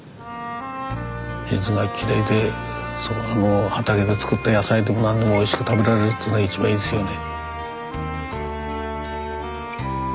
水がきれいで畑で作った野菜でも何でもおいしく食べられるっつうのは一番いいですよね。